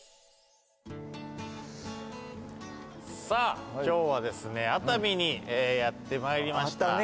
さぁ、今日は、熱海にやってまいりました。